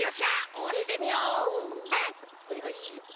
ほいほい。